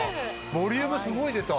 ボリュームすごい出た。